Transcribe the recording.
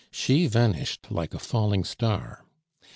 She vanished like a falling star.